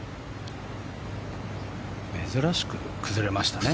珍しく崩れましたね。